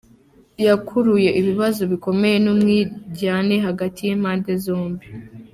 Yakuruye ibibazo bikomeye n’umwiryane hagati y’impande zombi.